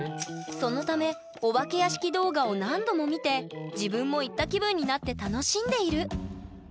そのためお化け屋敷動画を何度も見て自分も行った気分になって楽しんでいる。